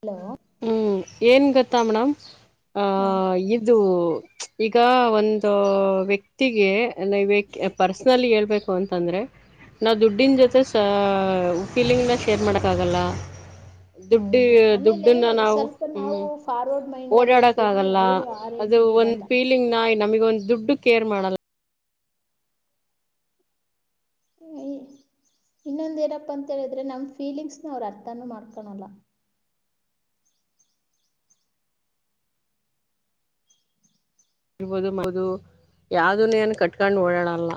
Hello ಹ್ಮ್ ಏನ್ ಗೊತ್ತಾ ಮೇಡಮ್ ಹಾ ಆಹ ಇದು ಈಗ ಒಂದು ವ್ಯಕ್ತಿಗೆ ವ್ಯ ಪರ್ಸನಲಿ ಹೇಳ್ಬೇಕು ಅಂತಂದ್ರೆ ನಾವು ದುಡ್ಡಿನ ಜೊತೆ ಸ ಫೀಲಿಂಗ್ನ ಶೇರ್ ಮಾಡೋಕ್ಕಾಗಲ್ಲ ಹೌದು ಆಮೇಲೆ ನಾವು ಸ್ವಲ್ಪ ನಾವು ಹ್ಮ್ ಫಾರ್ವರ್ಡ್ ಮೈಂಡ್ ಅಲ್ಲಿ ಓಡಾಡಕ್ ಇರ್ತೀವಿ ಅವ್ರು ಆ ರೇಂಜ್ಗ ಇರಲ್ಲ ನ್ ನಮಗ ಒಂದು ದುಡ್ಡು ಕೇ ಮಾಡಲ್ಲ ಇನ್ನೊಂದ ಏನಪ್ಪಾ ಅಂತ ಹೇಳಿದ್ರೆ ನಮ್ ಫೀಲಿಂಗ್ಸ್ನ ಅವರು ಅರ್ಥಾನ ಮಾಡ್ಕೊಳಲ್ಲ ಇಬದುದು ಯಾವ್ದನ್ ಏನ್ ಕಟ್ಕೊಂಡು ಓಡಣಲ್ಲ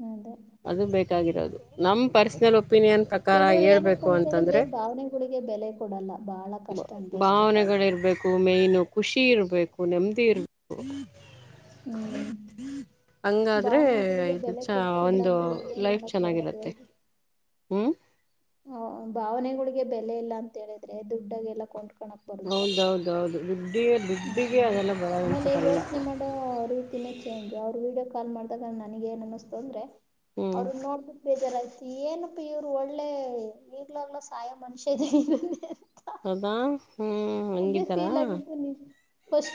ಹದೇ ಅದು ಬೇಕಾಗಿರೋದು ನಮ್ ಪರ್ಸನಲ್ ಒಪಿನಿಯನ್ ಪ್ರಕಾರ ಕೆಲವರು ಏನಪ್ಪಾ ಹೇಳ್ಬೇಕು ಅಂತ ಹೇಳಿದ್ರೆ ಅಂತಂದ್ರೆ ಭಾವನೆಗಳಿಗೆ ಬೆಲೆ ಕೊಡಲ್ಲ ಬಹಳ ಕಷ್ಟ ಅನ್ಭವಸ್ಬೇಕಾಗುತ್ತೆ ಭಾವನೆಗಳಿರ್ಬೇಕು ಮೈನು ಖುಷಿ ಇರ್ಬೇಕು ನೆಮ್ಮದಿ ಇರ್ಬೇಕು ಹ್ಮ್ ಹಂಗಾದ್ರೆ ಭಾವನೆಗಳಿಗೆ ಇದು ಬೆಲೆ ಚ ಒ ಕೊಟ್ಟಿಲ್ಲ ಅಂದ್ರೆ ಏನ್ ಲೈಫ್ ಮಾಡಕ್ ಬರುತ್ತೆ ಚೆನ್ನಾಗಿರತ್ತೆ ಹ್ಮ್ ಹ ಭಾವನೆಗಳಿಗೆ ಬೆಲೆ ಇಲ್ಲಾ ಅಂತ ಹೇಳಿದ್ರೆ ದುಡ್ಡಾಗಿ ಎಲ್ಲಾ ಕೊಂಡ್ಕೋಪ್ಪ ಹೌದೌದೌದು ದುಡ್ಡ ದುಡ್ಡಿಗೆ ಹ್ಮ್ ಅದೆಲ್ಲ ಆಮೇಲೆ ಬರವನ್ಸಲ್ಲ ಯೋಚ್ನೆ ಮಾಡೋ ರೀತಿನೇ ಚೇಂಜ್ ಅವ್ರರು ವೀಡಿಯೋ ಕಾಲ್ ಮಾಡ್ದಾಗ ನನಗ ಏನ್ ಅಿಸತು ಅಂದ್ರೆ ಹ್ಮ್ ಅವರುನ್ನ ನೋಡ್ ಬೇಜಾರಾಯತಿ ಏನಪ್ಪ ಇವ್ರು ಒಳ್ಳೆ ಈಗ್ಲೋ ಆಗ್ಲೋ ಸಹಾಯ ಮನುಷ್ಯ ಇದಂಗಿದಾನೆ ಸದಾ ಹ್ಮ್ ಅದೇ ಹಂಗಿದ್ದಾರಾ ಫೀಲ್ ಆಗಿದ್ದು ನೀ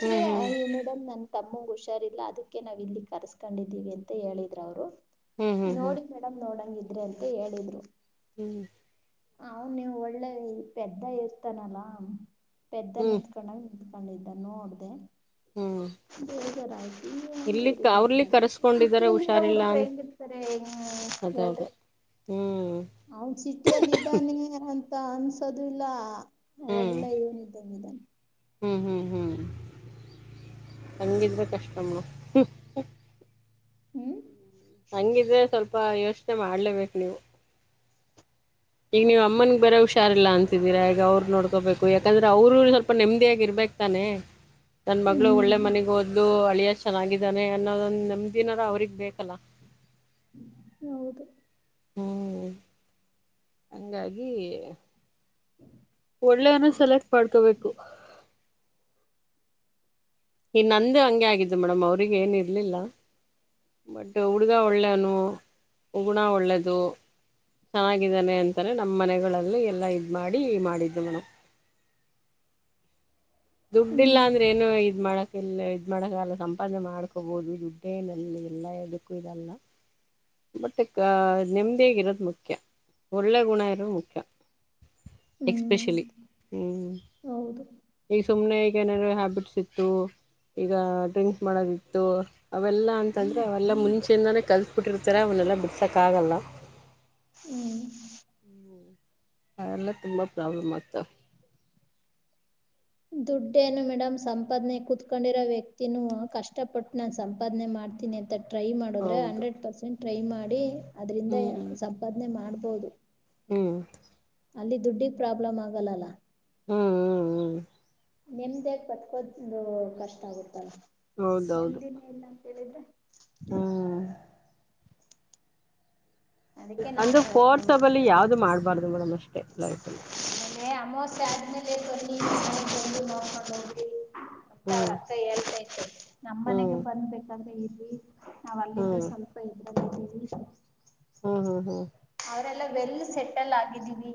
ಹ್ಮ್ ಹ್ಮ್ ಮಡಮ್ ನನ್ ತಮ್ಮಗ್ ಹುಷಾರಿಲ್ಲ ಅದಕ್ಕೆ ನಾವ್ ಇಲ್ಲಿ ಕರ್ಸ್ಕೊಂಡಿದ್ದೀವಿ ಅಂತ ಹೇಳಿದ್ರ ಅವ್ರು ಹ್ಮ್ ಹ್ಮ್ ಹ್ಮ್ ನೋಡಿ ಮೇಡಮ್ ನೋಡಂಗಿದ್ರೆ ಅಂತ ಹೇಳಿದ್ರು ಹ್ಮ ಅವನ್ ನೀವು ಒಳ್ಳೆ ಪೆದ್ದ ಇರ್ತಾನಲ್ಲಾ ಪೆದ್ದ ಹ್ಮ್ ನಿಂತ್ಕೊಂಡಾಗ ನಿಂತ್ಕೊಂಡಿದ್ದ ನೋಡ್ದೆ ಹ್ಮ್ ಬೇಜಾರ್ ಆಯ್ತು ಇಲ್ಲಿ ಅವ್ರಲಿ ಕರೆಸ್ಕೊಂಡಿದಾರ ಸಿಟಿಯಲ್ಲಿ ಇರೋ ಹುಷಾರಿಲ್ಲ ಹುಡುಗರು ಅಂತ ಹೆಂಗಿ ಇರ್ತಾರೆ ಅದ ಅದೇ ಹೇಳ್ರಿ ಹ್ಮ್ ಅವನ್ ಸಿಟಿಯಲ್ಲಿ ಇದ್ದಾನೆ ಅಂತ ಅನ್ಸೋದು ಇಲ್ಲ ಹ್ಮ್ ಒಳ್ಳೆ ಇವನು ಧಾನ [unintelligible] ಹ್ಮ್ ಹ್ಮ್ ಹ್ಮ್ ಹೆಂಗಿದ್ರೂಕಷ್ಟಮ್ಮ ಹ್ಮ್ ಹಂಗಿದ್ರೆ ಸ್ವಲ್ಪ ಯೋಚನೆ ಮಾಡ್ಲೇಬೇಕು ನೀವು ಈಗ ನೀವ್ ಅಮ್ಮನಗ್ ಬೇರೆ ಹುಷಾರಿಲ್ಲ ಅನ್ಂತಿದೀರಾ ಈಗ ಅವರ್ನು ನೋಡ್ಕೋಬೇಕು ತಾನೇ ಯಾಕಂದ್ರೆ ಅವ್ರರು ಸ್ವಲ್ಪ ನೆಮ್ಮದಿಯಾಗಿ ಇರ್ಬೇಕಕ್ತಾನೆ [unintelligible] ನನ್ ಮಗಳು ಹ್ಮ್ ಒಳ್ಳೆ ಮನೆಗ್ ಓದ್ದಲು ಅಳಿಯ ಚೆನ್ನಾಗಿದ್ದಾನೆ ಅನ್ನೋದೊಂದ ನೆಮ್ದಿನಾದ್ರೂ ಅವ್ರಗ್ ಬೇಕಲ್ಲ ಹೌದು ಹ್ಮ್ ಹಂಗಾಗಿ ಹ ಒಳ್ಳೆಯವನ ಸೆಲೆಕ್ಟ್ ಮಾಡ್ಕೋಬೇಕು ಇದು ನಂದು ಹಂಗೆ ಆಗಿದ್ದು ಮೇಡಮ್ ಅವ್ರಿಗೆ ಏನು ಇರ್ಲಿಲ್ಲ ಬಟ್ ಹುಡ್ಗ ಒಳ್ಳೇನು ಗುಣ ಒಳ್ಳೇದು ಚೆನ್ನಾಗಿದ್ದಾನೆ ಅಂತಾನ ನಮ್ಮ್ ಮನೆಗಳಲ್ಲಿ ಎಲ್ಲಾ ಇದ್ ಮಾಡಿ ಮಾಡಿದ್ದವನು ದುಡ್ಡಿಲ್ಲ ಹ್ಮ್ ಅಂದ್ರೆ ಏನೋ ಇದ್ ಮಾಡಕ್ ಎಲ್ಲ ಇದು ಮಾಡೋಕ್ಕಲ್ಲ ಸಂಪಾದನೆ ಮಾಡ್ಕೋಬೋದುದು ದುಡ್ಡನಲ್ಲಿ ಎಲ್ಲ ಇದದಕ್ಕೂ ಇದೆಲ್ಲ ಬಟ್ ನೆಮ್ಮದಿಯಾಗ ಇರೋದು ಮುಖ್ಯ ಒಳ್ಳೆ ಗುಣ ಇರೋದು ಮುಖ್ಯ ಹ್ಮ್ ಎಕ್ಸ್ಪೆಷಲಿ ಹ್ಮ್ ಹೌದು ಈಗ ಸುಮ್ನೆ ಈಗ ಏನಾರ ಹ್ಯಾಬಿಟ್ಸ್ ಇತ್ತು ಈಗ ಡ್ರಿಂಕ್ಸ್ ಮಾಡೋದಿತ್ತು ಅವೆಲ್ಲಾ ಅಂತಂದ್ರೆ ಅವೆಲ್ಲ ಮುಂಚೆಂದಾನೇ ಕಲ್ಸಬಿಟ್ಟಿರ್ತಾರ ಅವನ್ನೆಲ್ಲ ಬಿಡ್ಸಕ್ ಆಗಲ್ಲ ಹ್ಮ್ ಅದೆಲ್ಲ ತುಂಬಾ ಪ್ರಾಬ್ಲಮ್ ಆಯತಾವ ದುಡ್ಡೇನು ಮೇಡಮ್ ಸಂಪಾದನೆ ಕೂತ್ಕೊಂಡಿರೋ ವ್ಯಕ್ತಿನೂ ಕಷ್ಟಪಟ್ಟು ನಾನ್ ಸಂಪಾದನೆ ಮಾಡ್ತೀನಿ ತಟ್ಟ ಟ್ರೈ ಮಾಡದ್ರೆ ಹೌದು ಹಂಡ್ರೆಡ್ ಪರ್ಸೆಂಟ್ ಟ್ರೈ ಮಾಡಿ ಅದರಿಂದ ಹ್ಮ್ ಸಂಪಾದನೆ ಮಾಡ್ಬೋದು ಹ್ಮ್ ಅಲ್ಲಿ ದುಡ್ಡಿಗೆ ಪ್ರಾಬ್ಲಮ್ ಆಗಲ್ಲಲ್ಲ ಹ್ಮ್ ಹ್ಮ್ ನೆಮ್ಮದಿಯಾಗ ಬತ್ಕೋದಂದು ಕಷ್ಟ ಆಗುತ್ತಲ್ಲ ಹೌದೌದು ನೆಮದಿ ನ್ಂತೇಳಿದ್ರೆ [unintelligible] ಹ್ಮ್ ಅದಕ್ಕೆ ನಾ ಅಂದ್ರೆ ಪ್ರಚನೆ ಮಾಡ್ತಾ ಫೋರ್ಸಬಲಿ ಇದ್ದೀನಿ ಯಾವ್ದು ಮಾಡ್ಬಾರ್ದು ಮೇಡಮ್ ಅಷ್ಟೇ ಲೈಫಲ್ಲಿ [unintelligible] ಏ ಅಮಾವಾಸ್ಯೆ ಆಸ್ಟೇಲಿಯಾದ ಬನ್ನಿ ಸಜ [inaudible] ಮತ್ತೆ ಹ್ಮ್ ಅವ್ರತ್ರ ಹೇಳ್ತತೆ ನಮ್ಮ್ ಹ್ಮ್ ಮನೆಗೆ ಬಂದಬೇಕಾದ್ರೆ ಇರರಿ ನಾವ್ ಅಲ್ಲಿಂದ ಹ್ಮ್ ಸ್ವಲ್ಪ ಇದಿದ್ದೀವಿ ಹ್ಮ್ ಹ್ಮ್ ಹ್ಮ್ ಅವರೆಲ್ಲ ವೆಲ್ ಸೆಟಲ್ ಆಗಿದ್ದೀವಿ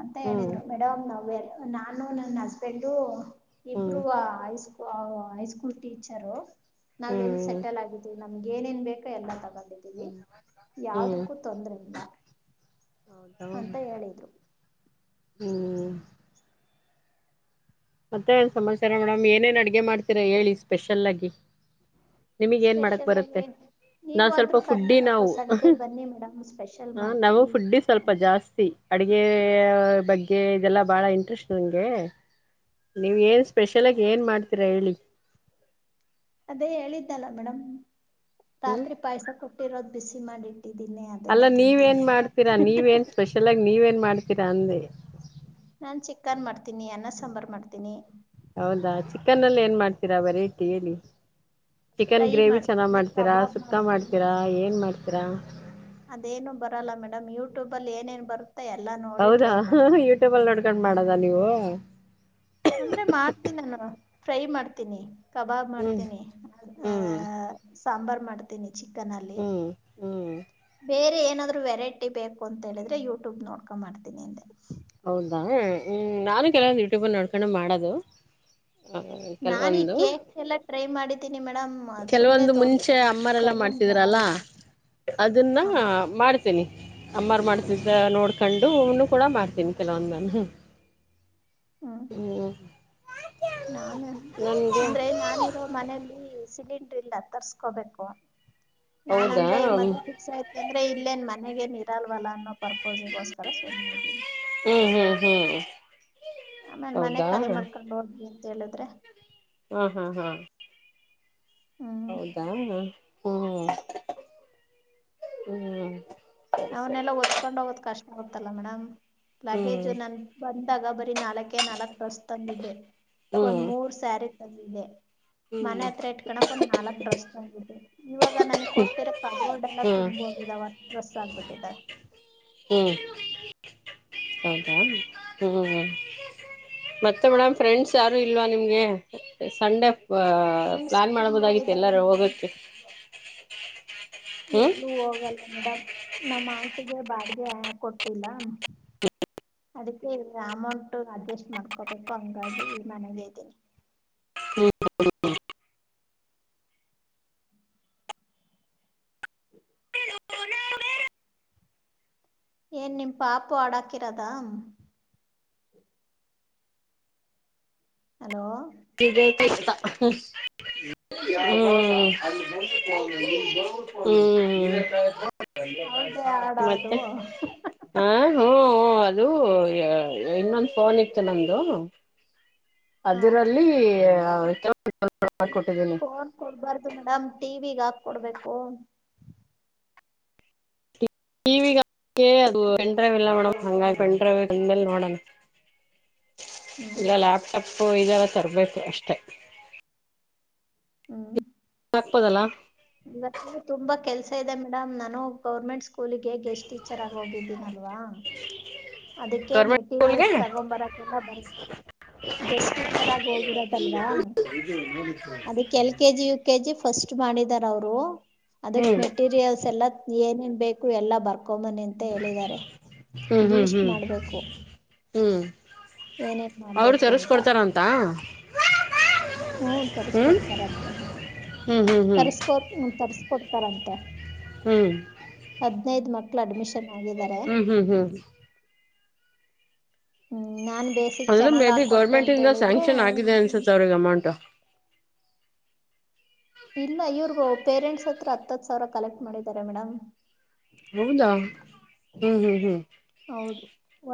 ಅಂತ ಹ್ಮ್ ಹೇಳಿದ್ರು ಮೇಡಮ್ ನಾವ್ ಲ್ ನಾನು ನನ್ನ ಹಸ್ಬೆಂಡು ಹ್ಮ್ ಇಬರುಐಸ್ಕೂ [inaudible] ಹೈಸ್ಕೂಲ್ ಟೀಚರು ನಾವ ಎಲ್ ಹ್ಮ್ ಸೆಟಲ್ ಆಗಿದೀ ನಮ್ಗೆ ಏನೇನ್ ಬೇಕೋ ಎಲ್ಲ ತಗೊಂಡಿದ್ದೀವಿ ಹ್ಮ್ ಯಾವದಕ್ಕೂ ತೊಂದ್ರ ಇಲ್ಲ ಹೌದ ಅಂತ ಹೇಳಿದ್ರು ಹ್ಮ್ ಮತ್ತೆ ಒಂದಂದು ಸಮಾಚಾರ ಮೇಡಮ್ ಏನೇನ್ ಅಡಗೆ ಮಾಡ್ತೀರಾ ಹೇಳಿ ಸ್ಪೆಷಲ್ ಆಗಿ ನಿಮಗ್ ಏನ್ ಮಾಡಕ್ ಸ್ಪೆಷಲ್ ಬರುತ್ತೆ ಆಗಿ ನಾ ಸ್ವಲ್ಪ ನೀವಾದ್ರೂ ಫುಡ್ಡಿ ಕರಿಯಲ್ಲಪ್ಪ ನಾವು ಸಂಡೆ ಬನ್ನಿ ಮೇಡಮ್ ಸ್ಪೆಷಲ್ ಹ ನಾವು ಮಾಡ್ತೀವಿ ಫುಡ್ಡಿ ಸ್ವಲ್ಪ ಅಂತ ಜಾಸ್ತಿ ಅಡುಗೆ ಬಗ್ಗೆ ಇದೆಲ್ಲ ಬಾಳ ಇಂಟ್ರೆಸ್ಟ್ ನಂಗೆ ನೀವ್ ಏನ್ ಸ್ಪೆಷಲ ಆಗಿ ಏನ್ ಮಾಡ್ತೀರಾ ಹೇಳಿ ಅದೇ ಹೇಳಿದ್ದಲ್ಲ ಮೇಡಮ್ ಹ್ಮ್ ರಾತ್ರಿ ಪಾಯಸ ಕೊಟ್ಟಿರೋದು್ ಬಿಸಿ ಮಾಡಿ ಇಟ್ಟಿದ್ದೀನಿ ಅದನ್ನೇ ತಿಂತೀನಿ ಅಂತ ಸ್ಪೆಷಲ್ಗಿ ನೀವ ಏನ್ ಮಾಡ್ತೀರಾ ಅಂದೆ ನಾನ್ ಚಿಕನ್ ಮಾಡ್ತೀನಿ ಅನ್ನ ಸಾಂಬಾರ್ ಮಾಡ್ತೀನಿ ಹೌದಾ ಚಿಕನ್ ಅಲ್ಲಿ ಏನ್ ಮಾಡ್ತೀರಾ ಬ ರೇಟಿ ಹೇಳಿ ಚಿಕನ್ ಫ್ರೈ ಗ್ರೇವಿ ಚನ್ನಾಗ ಮಾಡ್ತೀನಿ ಮಾಡ್ತೀರಾ ಕಬಾಬ್ ಸುಕ್ಕ ಮಾಡ್ತೀನಿ ಮಾಡ್ತೀರಾ ಏನ್ ಮಾಡ್ತೀರಾ ಅದೇನು ಬರಲ್ಲ ಮೇಡಮ್ ಯೂಟ್ಯೂಬಲ್ಲಿ ಏನೇನು ಬರುತ್ತೆ ಎಲ್ಲ ನೋಡಿ ಹೌದಾ ಟ್ರೈ ಮಾಡ್ ಯೂಟ್ಯೂಬ್ ನಡ್ಕೊಂಡ್ ಮಾಡದ ನೀವು ಅಂದ್ರೆ ಮಾಡ್ತೀನಿ ನಾನು ಫ್ರೈ ಮಾಡ್ತೀನಿ ಕಬಾಬ್ ಹ್ಮ್ ಮಾಡ್ತೀನಿ ಆ ಹ್ಮ್ ಸಾಂಬಾರ್ ಮಾಡ್ತ ಚನ್ ಅಲ್ಲಿ ಹ್ಮ್ ಹ್ಮ್ ಬೇರೆ ಏನಾದ್ ವೆರೈಟಿ ಬೇಕು ಅಂತ ಹೇಳಿದ್ರೆ ಯೂಟ್ಯೂಬ್ ನೋಡ್ಕೊಂಡ ಮಾಡ್ತೀನಿ ಅಂದೆ ಹೌದಾ ಹ್ಮ ನಾನು ಕೆಲವ್ ಯೂಟ್ಯೂಬಲ್ಲಿ ನೋಡ್ಕೊಂಡ ಮಾಡೋದು ಹ ನಾನು ಈ ಕೇಕ್ ಎಲ್ಲ ಟ್ರೈ ಮಾಡಿದ್ದೀನಿ ಮೇಡಮ್ ಸುಮ್ನೆ ಕೆಲವೊಂದು ತೋರು ಮುಂಚೆ ಅಮ್ಮರೆಲ್ಲ ಮಾಡ್ತಿದರಲ್ಲ ಅದನ್ನ ಹಾಂ ಮಾಡ ತನಿ ಅಮ್ಮಾರ ಹ್ಞೂ ಮಾಡ್ತಿದ್ದ ನೋಡ್ಕೊಂಡು ಅವನು ಕೂಡ ಮಾಡ್ತೀನಿ ಕೆಲವೊಂದು ನಾನು ಹ್ಮ್ ನಾನು ನನ್ಗೆ ಅಂದ್ರೆ ನಾನ ಮನಲಿ ಸಿಲಿಂಡರ್ ಇಲ್ಲ ತರ್ಸ್ಕೋಬೇಕು ನಾನ್ ಹೌದಾ ಅಂದ್ರೆ ಹ್ಮ್ ಮದುವೆ ಫಿಕ್ಸ್ ಆಯ್ತ ತಂದ್ರೆ ಇಲ್ಲೇನ್ ಮನೆಗೆ ಇರಲ್ವಲ್ಲ ಅನ್ನೋ ಪರ್ಪೋಸಿಗೋಸ್ಕರ ಸುಮ್ನಿದ್ದೀನಿ ಹ್ಮ್ ಹ್ಮ್ ಹ್ಮ್ ಆಮೇಲೆ ಮನೆ ಹೌದಾ ಖಾಲಿ ಹಾ ಮಾಡರ್ಕೊಂಡ್ ಹೋಗ್ರಿ ಅಂತ ಹೇಳಿದ್ರೆ ಹಾ ಹಾ ಹಾ ಹ್ಮ ಹೌದಾ ಹ್ಮ ಹ್ಮ್ ಸರಿ ಸರಿ ಅವನ್ನೆಲ್ಲಾ ಒದ್ಕೊಂಡ್ ಹೋಗೋದ್ ಕಷ್ಟ ಆಗುತ್ತಲ್ಲ ಮೇಡಮ್ ಹ್ಮ್ ಲಗೇಜು ನನ್ ಬ ಬಂದಾಗ ಬರೀ ನಾಲ್ಕೆ ನಾಲ್ಕಕ್ ಡ್ರೆಸ್ ತಂದಿದೆ ಒಂದ್ ಹ್ಮ್ ಮೂರ್ ಸ್ಯಾರಿ ತಂದಿದೆ ಹ್ಮ್ ಮನೆ ಹತ್ರ ಇಟ್ಕೋಕ್ ಒಂದ ನಾಲ್ಕು ಡ್ರೆಸ್ ತಂದಿದ್ದೆ ಇವಾಗ ನನಗ್ ಕೊಟ್ಟಿರ ಕಬೋಡ್ ಎಲ್ಲ ಹ್ಮ್ ತುಂಬು ಹೋಗಿದಾವೆ ಅಷ್ಟು ಡ್ರೆಸ್ ಆಗ್ಬಿಟ್ಟಿದೆ ಹ್ಮ್ ಹೌದ ಹ್ಮ್ ಮತ್ತೆ ಮೇಡಮ್ ಫ್ರೆಂಡ್ಸ್ ಯಾರು ಇಲ್ವಾ ನಿಮ್ಗೆ ಸಂಡೆ ಆ ಫ್ರೆಂಡ್ಸ್ ಪ್ಲ್ಲಾನ್ ತುಂಬಾ ಮಾಡಬೋದಾಗಿತ್ತು ಇದ್ದಾರೆ ಎಲ್ಲಾರು ಮೇಡಮ್ ಹೋಗಕ್ಕೆ ಹ್ಮ್ ಎಲ್ಲೂ ಹೋಗಲ್ಲ ಮೇಡಮ್ ನಮ್ಮ ಆಂಟಿಗೆ ಬಾಡಿಗೆ ಕೊಟ್ಟಿಲ್ಲ ಹ [inaudible] ಅದಕ್ಕೆ ಅಮೌಂಟ್ ಅಡ್ಜಸ್ಟ್ ಮಾಡ್ಕೊಬೇಕು ಹಂಗಾಗಿ ಮನೆಗೆ ಇದ್ದೀನಿ ಹ್ಮ ಹ ಏನ್ ನಿಮ್ಮ ಪಾಪು ಹಾಡಕಿರೋದ ಹಲೋ ಸಿಗತ ಇ್ತ [inaudible] ಹ್ಮ್ ಹ್ಮ್ ಅವಳ್ದೇ ಹಾಡ ಹ್ಮ್ ಅದು ಮತ್ತೆ ಹ ಹ ಹ್ಮ್ ಅದು ಇನ್ನೊಂದು ಫೋನ್ ಇತ್ತು ನಮ್ದ ಹಾ ಅದರಲ್ಲಿ [unintelligible] ಹಾ ಕೊಡ್ಬಾರ್ದು ಮೇಡಮ್ ಟಿವಿಗೆ ಹಾಕ್ಕೊಡ್ಬೇಕು ಟಿವಿ ಅದು ಪೆಂಡ್ರೆವ್ ಇಲ್ಲ ಮೇಡಮ್ ಹಾಗಾಗಿ ಪೆಂಡ್ರೆವ್ ಬಂದ್ ಮೇಲೆ ನೋಡೋಣ ಹ್ಮ್ ಇಲ್ಲ ಲ್ಯಾಪ್ ಟಾಪ್ ಇದೆಲ್ಲ ತರಬೇಕು ಅಷ್ಟೆ ಹ್ಮ್ ಹಾಕ್ಪೋದಲ್ಲಾ ನಂಗು ತುಂಬಾ ಕೆಲ್ಸ ಇದೆ ಮೇಡಮ್ ನಾನು ಗೌರ್ಮೆಂಟ್ ಸ್ಕೂಲಿಗೆ ಗೆಸ್ಟ್ ಟೀಚರ್ ಆಗಿ ಹೋಗಿದ್ದೀನಲ್ವಾ ಅದಕ್ಕೆ ಗೌರ್ಮೆಂಟ್ ಸ್ಕೂಲ್ಗೆ ಮೆಟೀರಿಯಲ್ಸ್ ತಗೊಂಬರಕ್ಕೆಲ್ಲ ಬರು ಗೆಸ್ಟ್ ಟೀಚರ್ ಆಗಿ ಹೋಗಿರೋದಲ್ವಾ ಅದಕ್ಕೆ L K G U K G K G first ಮಾಡಿದಾರ ಅವರು ಅದಕ್ ಹ್ಮ್ ಮೆಟೀರಿಯಲ್ಸ್ ಎಲ್ಲ ಏನೇನ್ ಬೇಕು ಎಲ್ಲಾ ಬರ್ಕೊಂಬನ್ನಿ ಅಂತ ಹೇಳಿದ್ದಾರೆ. ಹ್ಮ್ ಹ್ಮ್ ಹ್ಮ್ ಮಾಡ್ಬೇಕು ಹ್ಮ್ ಏನೇನ್ ಅವ್ರು ಮಾಡ್ಬೇಕು ಅಂತ ತರಿಸ್ಕೊಡ್ತಾರಂತ ಹು ಥರ್ಸ್ಕೊಡ್ತಾರಂಥೆ ಹ್ಮ ಹ್ಮ ಹ್ಮ. ತರ್ರಿಸಕೊಡ್ತಾರಂತ. ಹ್ಮ್ ಹದ್ನೈದು ಮಕ್ಳು ಅಡ್ಮಿಷನ್ ಆಗಿದ್ದಾರೆ ಹ್ಮ್ ಹ್ಮ್ ಹ್ಮ್ ಹ್ಮ್ ನಾನ್ ಬೇಸಿಕ್ ಅಂದ್ರೆ ಮೇ ಚೆನ್ನಾಗ್ ಬಿ ಹಾಕೊಟ್ಟೆ ಅಂತ ಗೌರ್ಮೆಂಟಿಂದ ಹೇಳಿದ್ರೆ ಸ್ಯಾಂಕ್ಷನ್ ಆಗಿದೆ ಅನ್ಸುತ್ತೆ ಅಮೌಂಟ್ ಇಲ್ಲ ಇವ್ರ ಪೇರೆಂಟ್ಸ್ ಹತ್ರ ಹತ್ತತ್ ಸಾವಿರ ಕಲೆಕ್ಟ್ ಮಾಡಿದ್ದಾರೆ ಮೇಡಮ್ ಹೌದಾ ಹ್ಮ್ ಹ್ಮ್ ಹ್ಮ್ ಹೌದು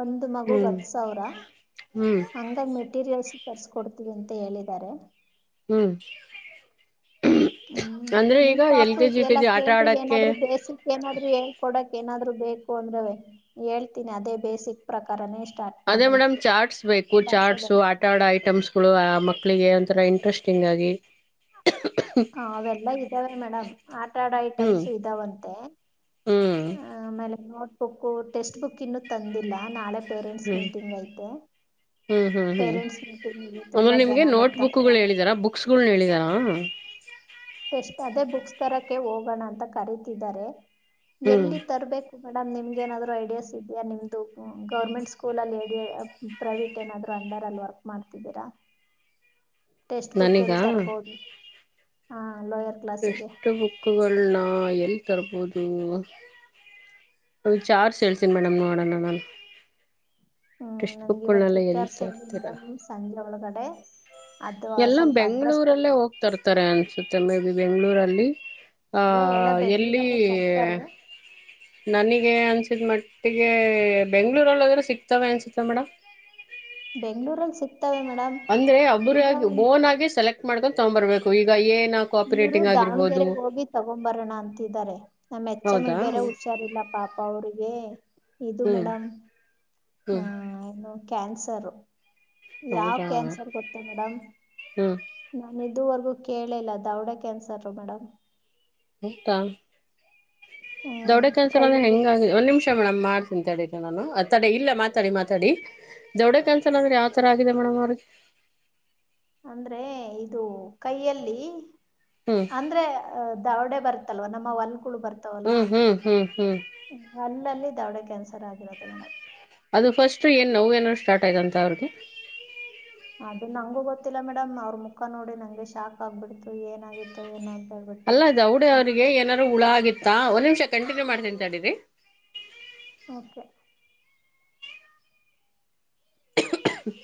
ಒಂದು ಮಗು ಹ್ಮ್ ಹತ್ತು ಸಾವಿರ ಹ್ಮ್ ಹ ಎಲ್ಲಾ ಮೆಟೀರಿಯಲ್ಸ್ ತರ್ಸಕೊಡ್ತೀವಿ ಅಂತ ಹೇಳಿದ್ದಾರೆ ಹ್ಮ್ ಹ್ಮ್ ಅಂದ್ರೆ ನಿಮ್ ಈಗ ಎಲ್ ಪಾಪು ಕೆ ಜಿ ಯು ಕೆ ಇದೆಲ್ಲಾ ಜಿ ಆಟ ಕೇಳ್ರಿ ಆಡಕ್ಕೆ ಏನಾದ್ರು ಬೇಸಿಕ್ ಏನಾದ್ರು ಹೇಳ್ಕೊಡಕ್ ಏನಾದ್ರು ಬೇಕು ಅಂದ್ರ ಹೇಳ್ತೀನಿ ಅದೇ ಬೇಸಿಕ್ ಪ್ರಕಾರನೇ ಎಷ್ಟ ಅದೇ ಮೇಡಮ್ ಚಾಟ್ಸ್ ಬೇಕು ಚಾಟ್ಸ್ ಆಟ ಆಡ ಐಟಮ್ಸ್ ಳು ಆ ಮಕ್ಕಳಿಗೆ ಒಂಥರ ಇಂಟ್ರೆಸ್ಟಿಂಗ್ ಆಗಿ ಹ ಅವೆಲ್ಲಾ ಇದ್ದಾವೆ ಮೇಡಮ್ ಆಟಾ ಆಡ ಹ್ಮ್ ಐಟಮ್ಸ ಇದ್ದಾವಂತೆ ಹ್ಮ್ ಆ ಆಮೇಲೆ ನೋಟ್ ಬುಕ್ ಟೆಕ್ಸ್ಟ್ ಬುಕ್ ಇನ್ನುೂ ತಂದಿಲ್ಲ ನಾಳೆ ಪೇರೆಂಟ್ಸ್ ಹ್ಮ್ ಮೀಟಿಂಗ್ ಐತೆ ಹ್ಮ್ ಹ್ಮ್ ಹ್ಮ್ ಪೇರೆಂಟ್ಸ್ ಮೀಟಿಂಗ್ ಅಂದ್ರೆ ತುಂಬಾ ನಿಮ್ಗೆ ಜನ ಬರ್ತಾರೆ ನೋಟ್ಬುಕ್ಗಳು ಹೇಳಿದಾರಾ ಬುಕ್ಸ್ಗಳನ ಹೇಳಿದಾರಾ ಎಟಸ್ಟ್ ಅದೇ ಬುಕ್ಸ್ ತರಕ್ಕೆ ಹೋಗೋಣ ಅಂತ ಕರತಿದ್ದಾರೆ ಹ್ಮ್ ಎಲ್ಲಿ ತರ್ಬೇಕು ಮೇಡಮ್ ನಿಮ್ಗೆ ನಾದ್ ಐಡಿಯಾಸ್ ಇದೆಯಾ ನಿಮ್ದದು ಗೌರ್ಮೆಂಟ್ ಸ್ಕೂಲಲ್ಲಿ ಡಿ ಪ್ರೈವೇಟ್ ಏನಾದ್ರು ಅಂದಾರ ಅಲ್ಲಿ ವರ್ಕ್ ಮಾಡ್ತಿದ್ದೀರಾ ಟೆಸ್ಟ್ ಬುಕ್ ನನೀಗ ಎಲ್ಲಿ ತರಬೋದು ಹ ಲೋಯರ್ ಕ್ಲಾಸಿಗೆ ಎಟೆಸ್ಟ್ ಬುಕ್ಗಳನ್ನ ಎಲ್ಲಿ ತರ್ಬೋದು ಚಾರ್ಜ್ ಳ್ಸೀನಿ ಮೇಡಮ್ ನೋಡೋಣ ನಾನು ಹ್ಞೂ ಟ್ರೆಸ್ಟ್ ಬುಕ್ಗಳನೆಲ್ಲ ಎಸ ಆಗ್ತೀರಾ ಸಂಜ ಅವಳ ಕಡೆ ಎಲ್ಲ ಬೆಂಗ್ಗಳೂರಲ್ಲೇ ಹೋಗ್ತರ್ತಾರೆ ಅನ್ಸುತ್ತೆ ಮೇ ಬಿ ಬೆಂಗ್ಳೂರಲ್ಲಿ ಆ ಅಲ್ಲ ಎಲ್ಲ ಎಲ್ಲಿ ಬೆಂಗಳೂರಲ್ಲೇ ತರ್ತಾರೆ ನನಗೆ ಅನ್ ಸಿದ ಮಟ್ಟಿಗೆ ಬೆಂಗ್ಳೂರಲ್ಲಿೋದ್ರೆ ಸಿಗ್ತವೆೆ ಅನಿಸುತ್ತೆ ಮೇಡಮ್ ಬೆಂಗಳೂರಲ್ಲಿ ಸಿಕ್ತವೆ ಮೇಡಮ್ [unintelligible] ಅಂದ್ರೆ ಈಗ ಒಬ್ಬ್ರಗ ಬೋನ್ ಆಗಿ ಸೆಲೆಕ್ಟ್ ಮಾಡ್ಕ್ ತಗೊಂಡ್ ಬರ್ಬೇಕು ಈಗ ಏನ್ [unintelligible] ಇವರು ದಾವಣಗೆರೆಗೆ ಹೋಗಿ ತಗೊಡು ಬರೋಣ ಅಂತಿದ್ದಾರೆ ನಮ್ಮ್ ಹೆಚ್ಚಮ್ಮಗ್ ಹೌದಾ ಬೇರೆ ಹುಷ [unintelligible] ಹುಷಾರಿಲ್ಲ ಪಾಪ ಅವ್ರಿಗೆ ಇದು ಹ್ಮ್ ಮೇಡಮ್ ಹ ಹ್ಮ್ ನು [unintelligible] ಕ್ಯಾನ್ಸರ್ ಯಾವ ಹೌದಾ ಕ್ಯಾನ್ಸರ್ ಗೊತ್ತಾ ಮೇಡಮ್ ಹ್ಮ್ [unintelligible] ನಾನ ಇದುವರೆಗೂ ಕೇಳಿಲ್ಲ ದೌಡ ಕ್ಯಾನ್ಸರ್ ಮೇಡಮ್ [unintelligible] ಹತ್ತಾ ಹ್ಮ್ ದೌಡ ಕೆಲ್ಸರ ಅಂದ್ರೆ ಕೈಯಲ್ಲಿ ಹೆಂಗಗ [unintelligible] ಒಂದ್ ನಿಮಿಷ ಮೇಡಮ್ ಮಾಡ್ತೀನಿಂತ ಹೇಳಿದಿ ನಾನು ಆ ತಡೆ ಇಲ್ಲ ಮಾತಾಡಿ ಮಾತಾಡಿ [unintelligible] ದೌಡೆ ಕೆನ್ಸಲ್ ಅಂದೆ ಯಾವ ರ ಆಗಿದೆ ಮೇಡಮ್ ಅವ್ರಿಗೆ [unintelligible] ಅಂದ್ರೆ ಇದು ಕೈಯಲ್ಲಿ [unintelligible] ಹ್ಮ್ [unintelligible] ಅಂದ್ರೆ ದೌಡೆ ಬರ್ತಲ್ವ ನಮ್ಮ ಒಲ್ಕಳ ಬರ್ತ [unintelligible] ಹ್ಮ್ ಹ್ಮ್ ಹ್ಮ್ ಹ್ಮ್ [unintelligible] ಅಲ್ಲಲ್ಲಿ ದೌಡೆ ಕ್ಯಾನ್ಸರ್ ಆಗಿರದು ಮೇಡಮ್ [unintelligible] ಅದು ಫಸ್ಟ್ ಏನ್ ನೋ ಏನೋ ಸ್ಟಾರ್ಟ್ ಆಯತಂತ ಅವ್ರಿಗೆ [unintelligible] ಅದು ನಂಗೂ ಗೊತ್ತಿಲ್ಲ ಮೇಡಮ್ ಅವ್ರ ಮುಖ ನೋಡಿ ನಂಗೆ ಶಾಕ್ ಆಗ್ಬಿಡ್ತು ಏನ ಆಾಗಿ [unintelligible] ಏನಂತ ಅಲ್ಲ ಗೌಡ ಅವ್ರಿಗೆ ಏನಾದಾರರು ಹುಳ ಆಗಿತ್ತ ಒಂದ್ ನಿಮಿಷ ಕಂಟಿನ್ಯೂ ಮಾಡತಿನಿ ತಡಿರಿ ಓಕೆ [unintelligible]